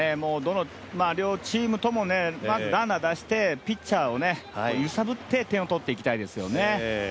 まず両チームともランナー出してピッチャーを揺さぶって点を取っていきたいですね。